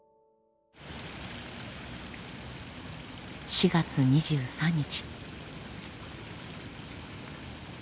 ４月２３日。